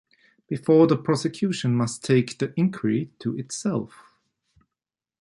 Before the Prosecution must take the inquiry to itself.